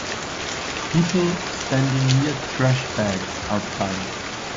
People standing near trash bags outside.